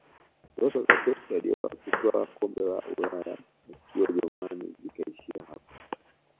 ndoto za pep guardiola kutwaa kombe la ulaya akiwa ujerumani zikaishia hapo